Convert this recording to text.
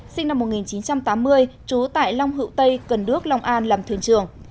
sinh năm một nghìn chín trăm tám mươi trú tại long hữu tây cần đước long an làm thuyền trường